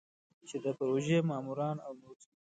چې د پروژې ماموران او نور ساتل.